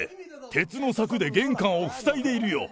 鉄の柵で玄関を塞いでいるよ。